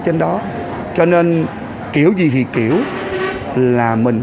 thành phố hồ chí minh